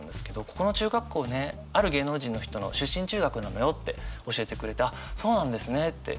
「ここの中学校ねある芸能人の人の出身中学なのよ」って教えてくれて「あっそうなんですね！」って